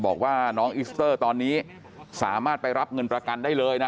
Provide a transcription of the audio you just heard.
บอกว่าน้องอิสเตอร์ตอนนี้สามารถไปรับเงินประกันได้เลยนะ